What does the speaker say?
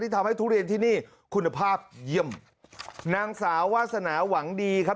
ทำให้ทุเรียนที่นี่คุณภาพเยี่ยมนางสาววาสนาหวังดีครับ